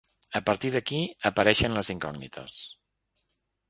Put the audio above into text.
A partir d’aquí, apareixen les incògnites.